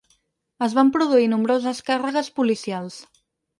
Es van produir nombroses càrregues policials.